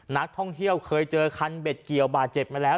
นักท่องเที่ยวเคยเจอคันเบ็ดเกี่ยวบาดเจ็บมาแล้ว